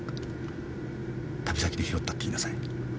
「旅先で拾った」って言いなさい。